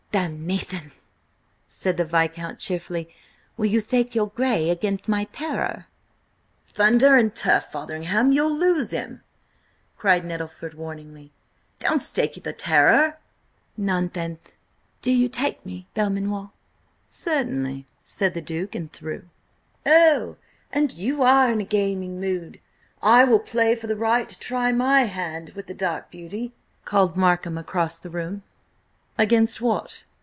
"Damnathion!" said the Viscount cheerfully. "Will you thtake your grey againtht my Terror?" "Thunder and turf, Fotheringham! You'll lose him!" cried Nettlefold warningly. "Don't stake the Terror!" "Nonthenth! Do you take me, Belmanoir?" "Certainly," said the Duke, and threw. "Oh, an you are in a gaming mood, I will play you for the right to try my hand with the dark beauty!" called Markham across the room. "Against what?"